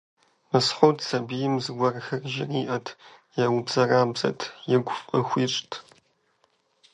Мысхьуд сабийм зыгуэрхэр жыриӀэрт, еубзэрабзэрт, игу фӀы хуищӀырт.